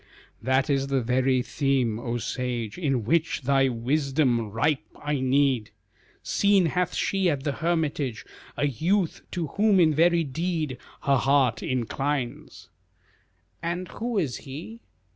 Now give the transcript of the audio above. "That is the very theme, O sage, In which thy wisdom ripe I need; Seen hath she at the hermitage A youth to whom in very deed Her heart inclines." "And who is he?"